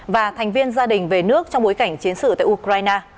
và thành viên gia đình về nước trong bối cảnh chiến sự tại ukraine